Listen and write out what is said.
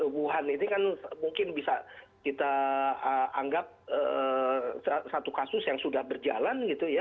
wuhan ini kan mungkin bisa kita anggap satu kasus yang sudah berjalan gitu ya